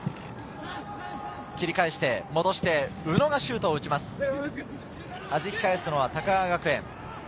切り替えして戻して、宇野がシュートを打ちます。